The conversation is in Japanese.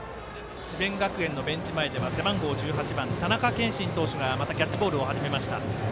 智弁学園のベンチ前では背番号１８番、田中謙心投手がキャッチボールを始めました。